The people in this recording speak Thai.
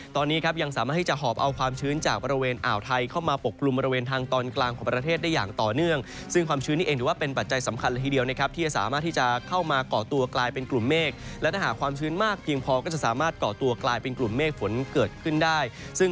ตอนนี้ครับยังสามารถให้จะหอบเอาความชื้น